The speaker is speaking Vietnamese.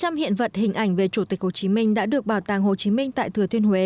hơn hai trăm linh hiện vật hình ảnh về chủ tịch hồ chí minh đã được bảo tàng hồ chí minh tại thừa thuyên huế